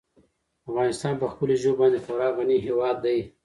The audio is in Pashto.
افغانستان په خپلو ژبو باندې خورا غني هېواد دی.